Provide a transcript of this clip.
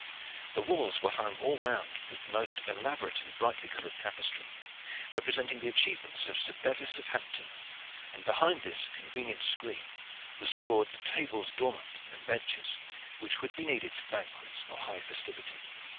The walls were hung all round with most elaborate and brightly colored tapestry, representing the achievements of Sir Bevis of Hampton, and behind this convenient screen were stored the tables dormant and benches which would be needed for banquet or high festivity.